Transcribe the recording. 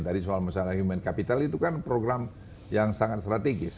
tadi soal masalah human capital itu kan program yang sangat strategis